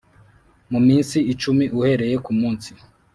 Mu minsi icumi uhereye ku munsi